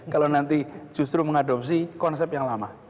kalau nanti justru mengadopsi konsep yang lama